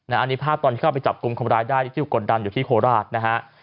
อันนี้ภาพตอนเข้าไปจับกลุ่มของรายได้ที่กดดันอยู่ที่โพราช